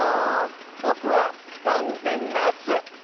ぼくはだんぜんなつ！